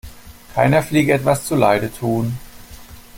Keiner Fliege etwas zuleide tun.